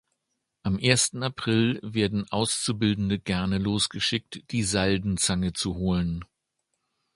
Am ersten April werden Auszubildende gerne losgeschickt, die Saldenzange zu holen.